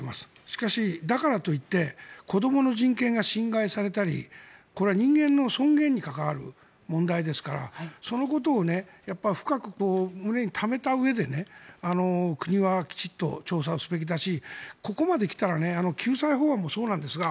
しかし、だからと言って子どもの人権が侵害されたりこれは人間の尊厳に関わる問題ですからそのことを深く胸にためたうえで国はきちっと調査をすべきだしここまで来たら救済法案もそうなんですが